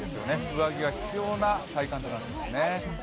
上着が必要な体感となっていますね。